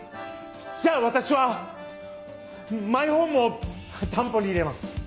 じゃあ私はマイホームを担保に入れます！